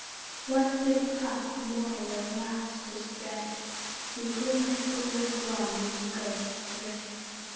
One good puff more where the last was bred, And glimmer, glimmer, glum will go the thread!"